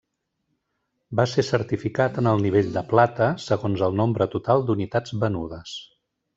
Va ser certificat en el nivell de plata segons el nombre total d'unitats venudes.